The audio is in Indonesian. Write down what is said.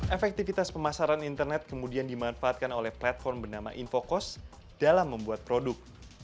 efektivitas pemasaran internet kemudian dimanfaatkan oleh platform bernama infocos dalam membuat produk